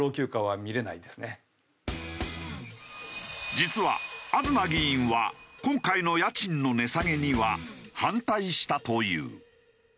実は東議員は今回の家賃の値下げには反対したという。